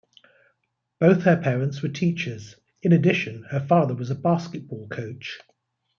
Both her parents were teachers; in addition, her father was a basketball coach.